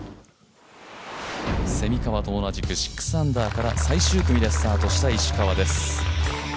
蝉川と同じく６アンダーから最終組でスタートした石川です。